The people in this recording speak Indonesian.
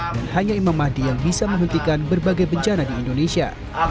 dan hanya imam mahdi yang bisa menghentikan berbagai bencana di indonesia